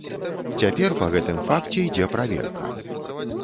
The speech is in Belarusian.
Цяпер па гэтым факце ідзе праверка.